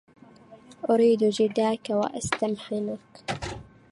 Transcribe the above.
أريد جداك وأستمنحك